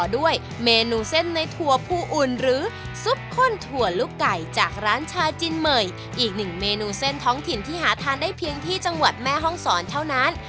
ด้วยเมนูเส้นในถั่วภูอุ่นหรือซุปข้นถั่วลูกไก่จากร้านชาจินเมยอีกหนึ่งเมนูเส้นท้องถิ่นที่หาทานได้เพียงที่จังหวัดแม่ห้องศรเท่านั้น